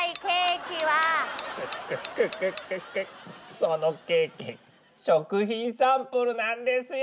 そのケーキ食品サンプルなんですよ。